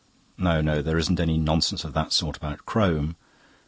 "No, no, there isn't any nonsense of that sort about Crome.